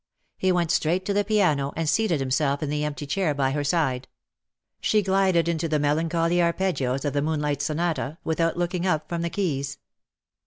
He went straight to the piano, and seated himself in the empty chair by her side. She glided into the melancholy arpeggios of the Moonlight Sonata, without looking up from the keys.